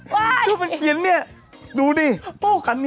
กูเปลี่ยนแล้วดูดิ